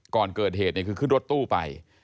ก่อนเกิดเหตุคือขึ้นรถตู้ไป